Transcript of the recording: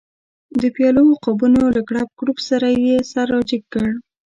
د پیالو او قابونو له کړپ کړوپ سره یې سر را جګ کړ.